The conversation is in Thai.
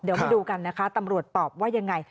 เดี๋ยวมาดูกันนะคะตำรวจตอบว่ายังไง